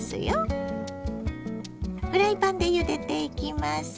フライパンでゆでていきます。